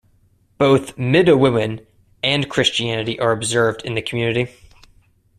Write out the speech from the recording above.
Both Midewiwin and Christianity are observed in the community.